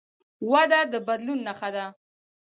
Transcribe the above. وده د بدلون نښه ده.